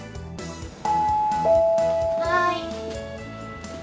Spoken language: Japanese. はい。